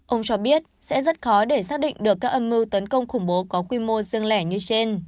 ông cho biết sẽ rất khó để xác định được các âm mưu tấn công khủng bố có quy mô riêng lẻ như trên